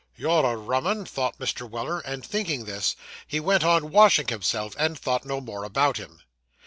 'You're a rum 'un!' thought Mr. Weller; and thinking this, he went on washing himself, and thought no more about him.